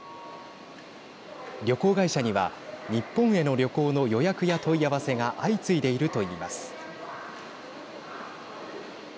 旅行会社には日本への旅行の予約や問い合わせが相次いでいるといいます。